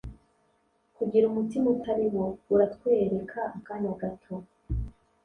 kugira umutima utari wo uratwereka akanya gato